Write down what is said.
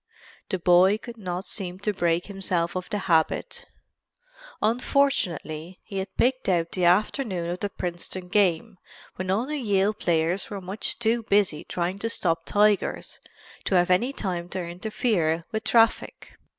The boy could not seem to break himself of the habit. Unfortunately he had picked out the afternoon of the Princeton game when all the Yale players were much too busy trying to stop Tigers to have any time to interfere with traffic.